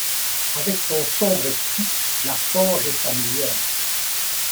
Avec ton sombre esprit la fange est familière ;